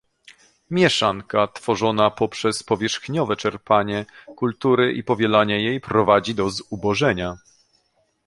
Mieszanka tworzona poprzez powierzchowne czerpanie z kultury i powielanie jej prowadzi do zubożenia